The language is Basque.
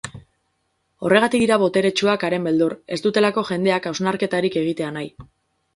Horregatik dira boteretsuak haren beldur, ez dutelako jendeak hausnarketarik egitea nahi.